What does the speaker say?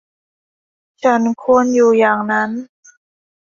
ฉันควรพูดอย่างนั้น !